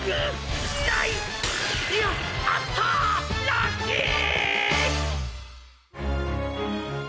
ラッキー！